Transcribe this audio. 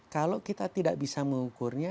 kalau kita tidak bisa mengukurnya